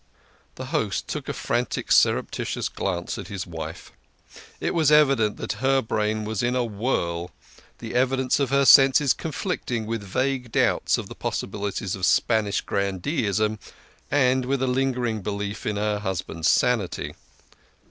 The host took a frantic surreptitious glance at his wife. It was evident that her brain was in a whirl, the evidence of her senses conflicting with vague doubts of the possibilities of Spanish grandeeism and with a lingering belief in her husband's sanity.